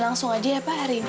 langsung aja ya pak hari ini